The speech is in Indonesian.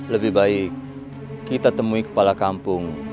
lebih baik kita temui kepala kampung